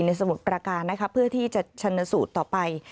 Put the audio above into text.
ในสมุดประการเพื่อที่จะชนสูตรต่อไป